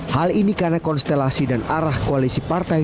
hal ini karena konstelasi dan arah koalisi partai